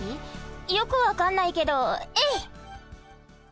よくわかんないけどえいっ！